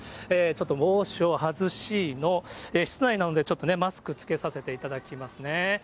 ちょっと帽子を外しの、室内なので、ちょっとね、マスクつけさせていただきますね。